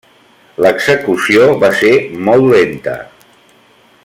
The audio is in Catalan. L'execució va ser molt lenta.